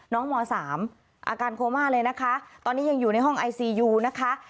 ม๓อาการโคม่าเลยนะคะตอนนี้ยังอยู่ในห้องไอซียูนะคะ